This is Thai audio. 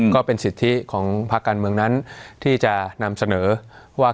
ก็เป็นสิทธิของภาคการเมืองนั้นที่จะนำเสนอว่า